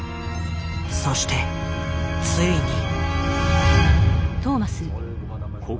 そしてついに。